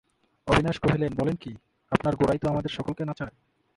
অবিনাশ কহিলেন, বলেন কী, আপনার গোরাই তো আমাদের সকলকে নাচায়।